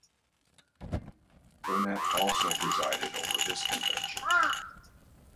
Burnett also presided over this convention.